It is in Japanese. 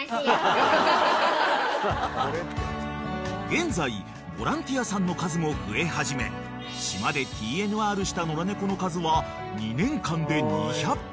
［現在ボランティアさんの数も増え始め島でＴＮＲした野良猫の数は２年間で２００匹］